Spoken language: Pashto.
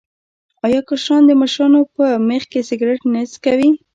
آیا کشران د مشرانو په مخ کې سګرټ نه څکوي؟